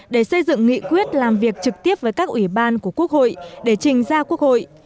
để xây dựng nghị quyết làm việc trực tiếp với các ủy ban của quốc hội để trình ra quốc hội